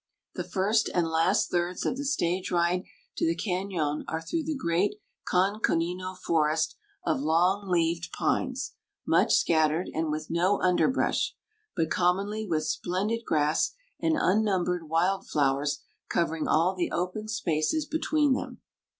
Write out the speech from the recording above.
The first and last thirds of the stage ride to the Cañon are through the great Conconino Forest of long leaved pines much scattered and with no underbrush but commonly with splendid grass and unnumbered wild flowers covering all the open spaces between them.